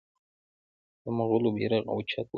د مغولو بیرغ اوچت وساتي.